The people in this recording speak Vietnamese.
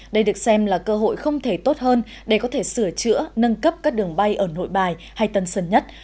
đây được xem là cơ hội không thể tốt hơn để có thể sửa chữa nâng cấp các đường bay ở nội bài hay tân sơn nhất